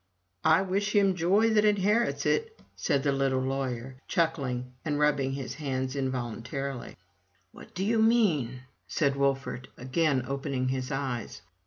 "I wish him joy that inherits it!" said the little lawyer, chuckling, and rubbing his hands involuntarily. 149 MY BOOK HOUSE What do you mean?'* said Wolfert, again opening his eyes.